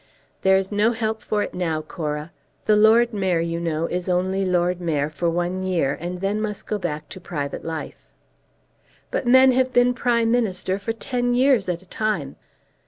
"There is no help for it now, Cora. The Lord Mayor, you know, is only Lord Mayor for one year, and must then go back to private life." "But men have been Prime Ministers for ten years at a time.